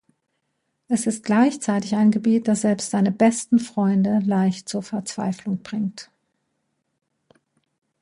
Es ist gleichzeitig ein Gebiet, das selbst seine besten Freunde leicht zur Verzweiflung bringt.